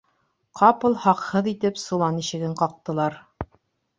Ҡапыл һаҡһыҙ итеп солан ишеген ҡаҡтылар.